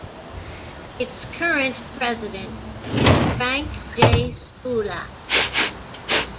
Its current president is Frank J. Spula.